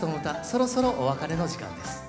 そろそろお別れの時間です。